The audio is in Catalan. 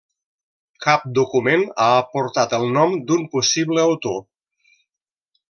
Cap document ha aportat el nom d'un possible autor.